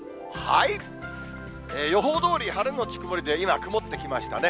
予報どおり晴れ後曇りで、今、曇ってきましたね。